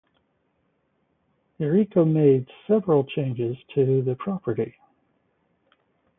Eckel made several changes to the property.